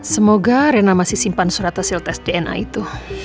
semoga rena masih simpan surat hasil tes dna itu